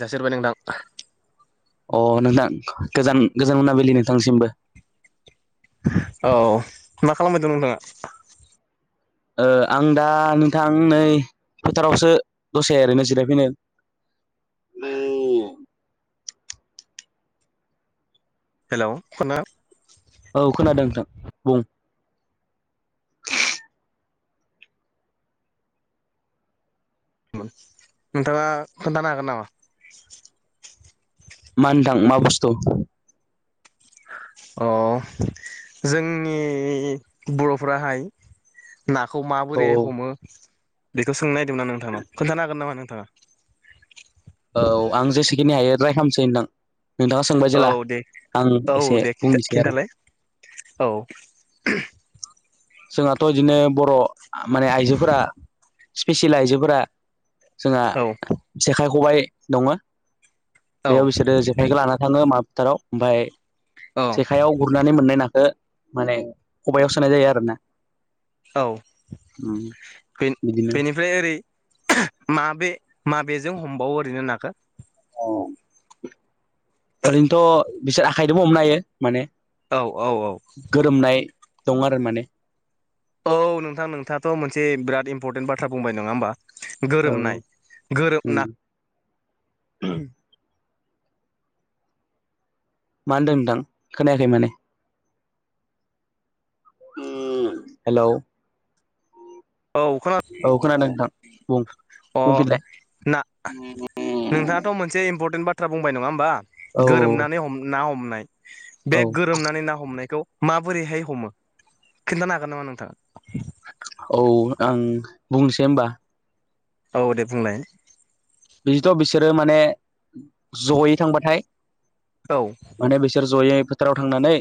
दासो एरबाय नोंथां, अ नोंथां गोजान गोजान मोनाबिलि नोंथांसिमबो, औ मा खालामबाय दं नोंथाङा? ओ आं दा नोंथां नै, फोथारावसो दसे ओरैनो जिरायफैनो [unintelligible] हेलौ खना, औ खोनादों नोंथां बुं नोंथाङा खोन्थानो हागोन नामा मुसथ' [unintelligible] अ जोंनि बर'फ्राहाय नाखौ औ माबोरै हमो बेखौ सोंनो नागिरदोंमोन ना नोंथांनाव खोन्थानो हागोन नामा नोंथ कथा [unintelligible] औ आं जेसेखिनि हायो राय खालामसै होनदां नोंथाङा सोंबाय जेला औ दे आं औ एसे दे बुंनोसै आरो। खिन्थालाय औ जोंहाथ' बिदिनो बर' माने आइजोफोरा स्पेसियेल आइजोफोरा जोंहा औ जेखाइ खबाय दङ औ बेयाव बिसोरो जेखाइखौ लाना थाङो माबा फोथाराव ओमफ्राय औ जेखायाव गुरनानै मोननाय नाखौ माने खबायाव सोनाय जायो आरोना औ उम बिदिनो बेनिफ्राय ओरै माबे माबेजों हमबावो ओरैनो नाखौ ओरैनोथ' बिसोर आखाइजोंबो हमनो हायो। माने औ औ औ गोरोमनाय दं आरो माने औ नोंथां नोंथाङाथ' मोनसे बिराद इम्परटेन्ट बाथ्रा बुंबाय नङा होनबा उम गोरोबनाय गोरोबना [inaudible] मा होनदों नोंथां खोनायाखै माने उम हेलौ औ खोना औ खोनादों नोंथां बुं अ बुंफिनलाय ना नोंथाङाथ' मोनसे इम्पर बाथ्रा बुंबाय नङा होमबा औ गोरोमनानै ना हमनाय बे औ गोरोमनानै ना हमनायखौ माबोरैहाय हमो खिन्थानो हागोन नामा नोंथाङा औ आं बुंनोसै होनबा औ दे बुंलाय बिदिथ' बिसोरो माने जयै थांबाथाय औ माने बिसोर जयै फोथाराव थांनानै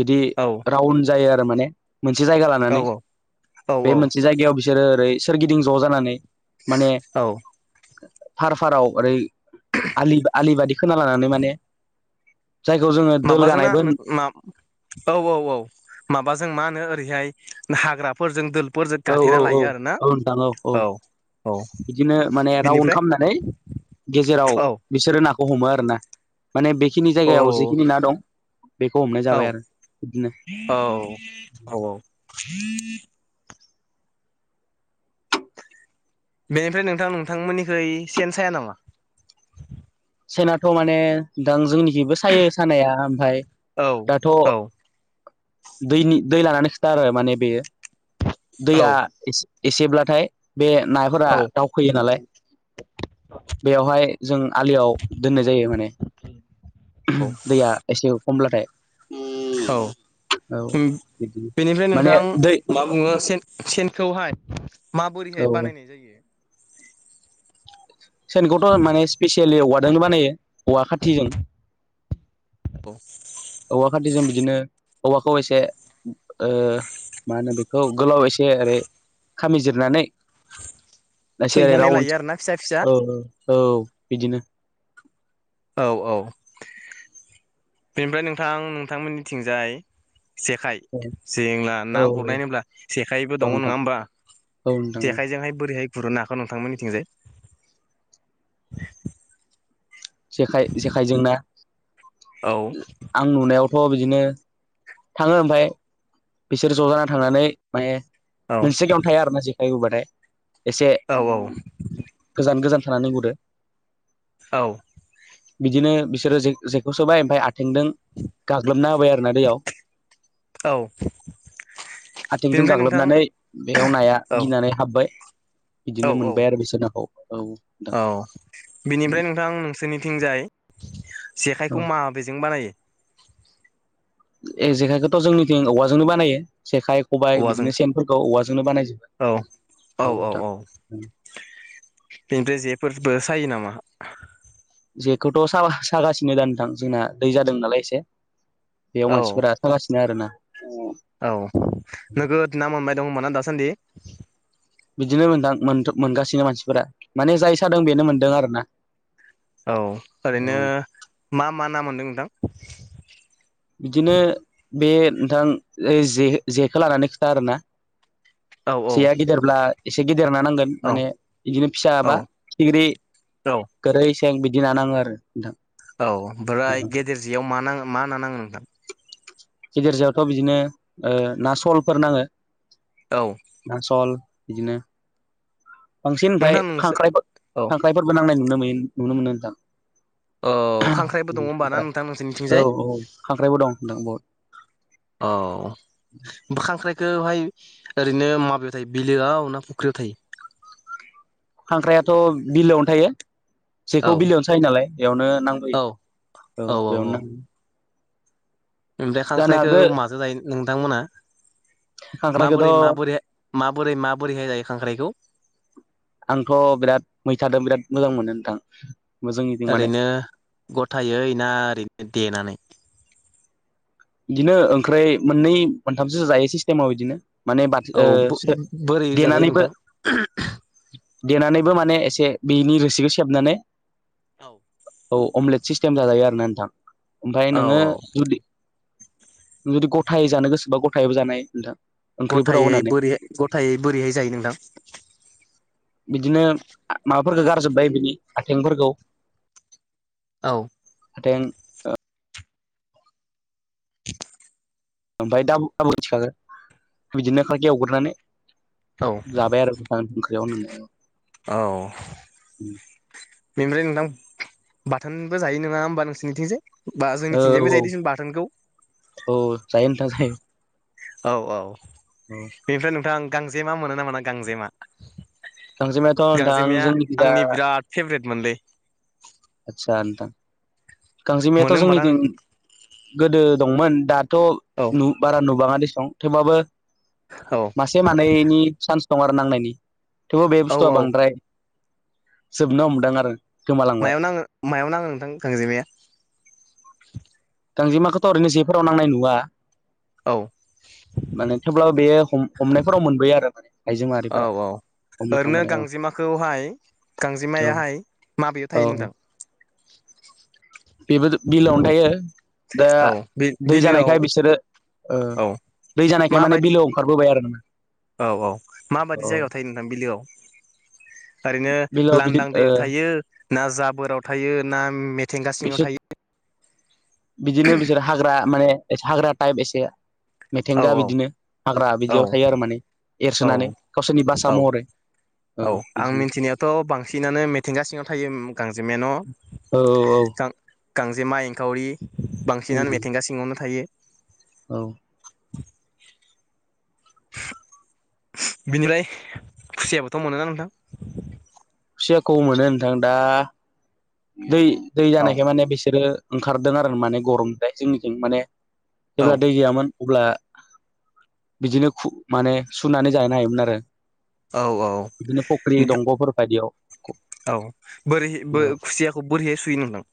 बिदि औ रावन्ड जायो आरो माने मोनसे जायगा औ लानानै औ बे औ मोनसे जायगायाव बिसोरो ओरै सोरगिदिं ज' जानानै माने औ फार फाराव ओरै आलि आलि बादि खोना लानानै माने जायखौ जोङो माबाजोंना दोलगानायबो मा औ औ औ माबा जों मा होनो ओैहाय हाग्राफोरजों दोलफोरजों औ औ गाथेना औ लायो आरोना औ नोंथां औ औ औ बिदिनो माने रावन्द बिनिफ्राय खालामनानै गेजेराव औ बिसोरो ना हमो आर ना माने बेखिनि औ जायगायाव जिखिनि ना दं बेखौ हमनाय औ जाबाय आरो बिदिनो ह [unintelligible] बेनिफ्राय नोंथां नोंथांमोननिख सेन साया नामा सेनाथ' माने दां जोंनि जेबो सायो सानाया ओमफ्राय औ दाथ' औ दैनि दै लानानै खोथा आरो माने बेयो औ दैया एसेब्लाथाय बे नाफोरा औ दाउ फैयो नालाय बेवहाय जों आलियाव दोननाय जायो माने दैया एसे खमब्लाथाय औ औ बिदिनो बेनिफ्राय माने नोंथां दै मा बुङो सेनखौहाय औ माबोरैहाय औ बानायनाय जायो। सेनखौथ' माने स्पिेसियेलि औवाजोंनो बानायो औवा खाथिजों औ औवा खाथिजों बिदिनो औवाखौ एसे ओ मा होनो बेखौ गोलाव एसे ओरै खामिजिरनानै एसे ओरै सैनानै राउन्ड लायो आरोना फिसा फिसा औ औ औ बिदिनो औ औ बेनिफ्राय नोंथां नोंथांमोननिथिंजाय जेखाइ औ जेब्ला औ ना गुरनाय होनब्ला जेखाइबो औ दङ नोंथां नङा होमबा औ नोंथां औ जेखायजोंहाय बोरैहाय गुरनो हागौ नोंथांमोननिथिंजाय जेखाय जेखाइजोंना औ आं नुनायावथ' बिदिनो थाङो ओमफफ्राय बिसोर ज' जानानै थांनानै माने औ मोनसे गेयावनोथाय आरोना जेखाय हबाथाय एसे औ गोजान गोजान थानानै गुरो औ बिदिनो बिसोरो जे जेखौ सोबाय ओमफ्राय आ थेंदों गाग्लोबना होबाय आरोना दैयाव औ आथिंजों बेनिफ्राय नोंथां गाग्लोबनानै बेयाव नाया औ गिनानै हाब्बाय औ बिदिनो औ मोनबाय आरो बिसोर नाखौ औ नोंथां। औ [inaudible] बिनिफ्राय नोंथां नोंसोरनिथिंजाय जेखाइखौ माबेजों बानायो जेखाइखौथ' जोंनिथि औवाजोंनो बानायो जेखाइ खबाय औवाजों बिदिनो सेनफोरखौ औवाजोंनो बानायजोबो। औ औ नोंथां उम बेनिफ्राय जेफोरबो सायो नामा? जेखौथ' सा सागासिनो दा नथां जोंना दै जादोंमोन नालाय एसे बेयाव औ मानसिफोरा आ थालाासिनो आरो ना औ नोगोद ना मोनबाय दंमोन ना दासान्दि? बिदिनो मोनदां मोनगासिनो मानसिफोरा माने जाय सादों बेनो मोनदों आरोना औ ओरैनो औ मा मा ना मोनदों नोंथां? बिदिनो बे नोंथां जे जेखौ लानानै खोथा आरोना औ औ जेया गिदिरब्ला एसे गिदिर देरना नांगोन औ माने बिदिनो फिसा औ बा फिथिग्रि औ गोरै थेंक बिदि नाानाङो आरो नोंथां औ ओमफ्राय गेदेर जेयाव मा नाङ मा ना नाङो नोंथां? गिदेर जायावथ' बिदिनो ओ ना सलफोर नाङो औ ना सल बिदिनो बांसिन ओमफ्राय नोंथां खां नोंसो औ खांख्राइफोरबो नांनाय नु नो नुनो मोनो नोंथां। औ खांख्राइबो दङ होमबा ना नोंथां औ नोंसोरनिथिंजाय? औ खांख्राइबो दं दों बहुद। औ बा खांख्राय बेखौहाय ओरैनो माबायाव थायो बिलोआव ना फुख्रियाव थायो खांख्रायाथ' बिलोआवनो थायो। जखौ औ बिलोयावनो सायो नालाय बेयावनो नांबोयो औ औ बेयावनो औ नाङो ओमफ्राय खांख्राइखौ माजो जायो नोंथांमोना? खांख्राइखौथ' माबोरै माबोरैाय माबोरै माबोरैहाय जायो खांख्राइखौ? आंथ' बिराद मैथादों बिराद मोजां मोनो नोंथां जोंनिथिं माने ओरैनो गथायै ना ओरैनो देनानै? बिदिनो ओंख्रै मोननै मोनथामसोसो जायो सिस्टेमाव बिदिनो माने औ बाथोन ओ बोरै जाजायो देनानैबो नोंथां? देनानैबो माने एसे बेनि रोसिखौ सेबनानै। औ। औ अमलेट सिस्टेम जाजायो आरो ना नोंथां ओमफ्राय औ नोङो जुदि जुदि गथायै जानो गोसोबा गथायैबो जानाय नोंथां। ओंख्रिफोराव गथायै होनानै बोरैहाय गथायै बोरैहाय जायो नोंथां? बिदिनो माबाफोरखौ गारजोब्बाय बिनि आथिंफोरखौ। औ। [unintelligible] [inaudible] ओमफ्राय दाम दाबो मिथिखागो बिदिनो खाखि एवग्रोनानै जाबाय आरो गोथां ओख्रियाव होननाय। औ। बेनिफ्राय नोंथां बाथोनबो जायो नङा होमबा नोंसोरनिथिंजाय। बा औ जोंनिथिंजाय औ जाहदिसम बाथोनखौ। औ जायो नोंथां जायो औ औ औ बेनिफ्राय नोंथां गांजेमा मोनो नामा ना गांजेमा? गांजेमायाथ' नोंथां गांजेमाया जोंनिखिजा आंनि बिराद फेभरेट मोनलै। सान्थां। गांजेमायाथ' मोनो होमबाना जोंनिथिं नों गोदो दंमोन दा थ' औ बारा नुबाङा दिसं थेवबाबो औ मासे मानैनि सान्स दं आरो नांनायनि थेवबो बे औ बुस्थुआ औ बांद्राय जोबनो हमदों आरो। गोमालांबाय मायाव नाङो मायाव नाङो नोंथां गांजेमाया? [inaudible] [unintelligible] गांजेमा खौथ' ओरैनो जफोराव नांनाय नुआ। औ माने थेवब्लाबो बेयो हमनायफोराव मोनबोयो आरो माने आइजो औ माहारिफोरा। औ हमनो ओरैनो थांबाथाय औ गांजेमाखौहाय औ गांजेमायाहाय माबयाव थायो औ नोंथां? बेबो बिलोआवनो थायो। दा औ बे दै बिलोआव जानायखाय बिसोरो ओ औ दै जानायखाय माने माबायदि बिलोआव ओंखारबो आरो। औ औ माबायदि औ जायगायाव थायो नोंथां बिलोआव? ओरैनो बिलोआव बिदि लांदां ओ दैयाव थायो ना जाबोराव थायो ना म थेंगा सिङायाव बिसोर थायो। बिदिनो बिसोर हाग्रा माने हाग्रा टाइप एसे औ मिथेंगा बिदिनो हाग्रा औ बिदियाव थायो आरो माने। औ एरसोनानै गावसोरनि बासा औ महरै। औ आं मिथिनायाथ' बांसिनानो मिथिंगा सिङाव थायो। औ औ जिमेेन' गजेमा एंखावरि। औ बांसिनानो मिथिंगा सिङावनो थायो। औ। [inaudible] [unintelligible] बिनिफ्राय खुसियाबोथ' मोनोना नोंथां? खुसियाखौ मोनो नोंथां दा दै दै औ जानायखाय माने बिसोरो ओंखारदों आरो माने गरमनिफ्राय जोंनिजों माने औ जेब्ला दै गैयामोन। अब्ला बिदिनो माने सुनानै जानो हायोमोन आरो। औ औ बिदिनो फख्रि दंग'फोर बायदियाव। औ बोरैह औ खुसियाखौ बोरैहाय सुय नोंथां?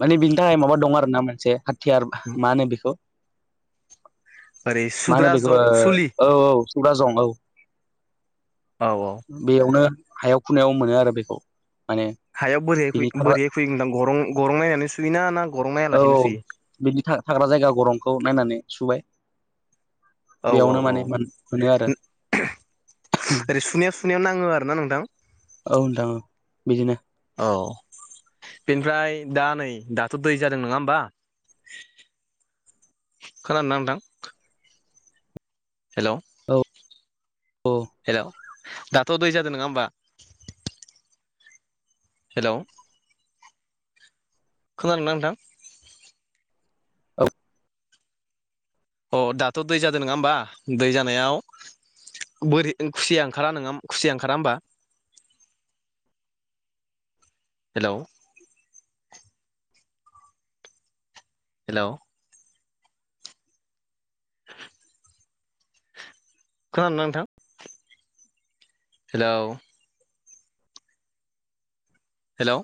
माने बिनि थाखाय माबा दं आर ना मोनसे हाथियार मा होनो बेखौ ओरै मा होनो सुग्रा बेखौ जं सुलि ओ औ औ सुग्रा जं औ। औ औ बेयावनो हायाव खुनायाव मोनो आरो बेखौ। माने हायाव बोरैहाय फै बिनि थाखाय बोरैहाय फैदां गरं? गरं नायानो सुइ ना ना गरं नाया औ लासिनो सुइयो? बिनि थाग्रा जायगा गरंखौ नायनानै सुबाय औ औ बेयावनो औ माने मोनो आरो ओरै सुनायाव सुनायाव नाङो आरो ना नोंथां। औ नोंथां औ बिदिनो। अह। बेनिफ्राय दा नै दाथ' दै जादों नोङा होमबा? खोनादोंना नोंथां? हेल'? औ। औ हेल' दाथ' दै जादो नोङा होमबा? हेल'? खोनादोंना नोंथां? औ। अ दाथ' दै जादों नङा होमबा? दै जानायाव बोरै खुसिया ओंखारा नोङा खुसिया ओंखारा होमबा? [inaudible] हेल'? हेल'? [inaudible] खोनादोंना नोंथां? हेलौ? हेलौ?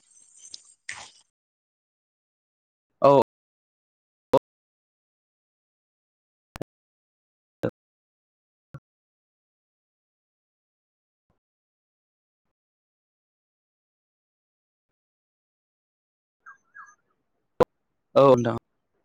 औ। औ नोंथां।